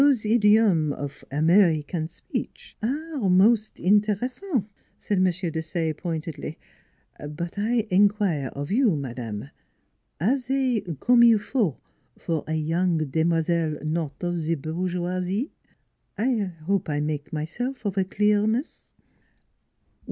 " Zose idiome of American speech are mos' in terresant" said M. Desaye pointedly; "but I in quire of you, madame are zey comme il faut for a young demoiselle not of ze bourgeoisie? I hope I make myself of a clearness?